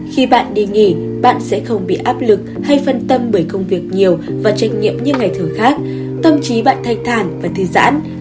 khi bạn đi nghỉ bạn sẽ không bị áp lực hay phân tâm bởi công việc nhiều và trách nhiệm như ngày thường khác tâm trí bạn thay thản và thư giãn